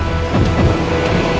saya akan menjaga kebenaran raden